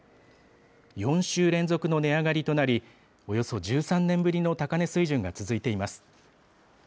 ４週連続の値上がりとなり、およそ１３年ぶりの高値水準が続いています。